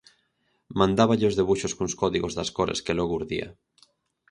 Mandáballe os debuxos cuns códigos das cores que logo urdía.